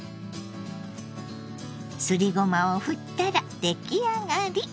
すりごまをふったらできあがり！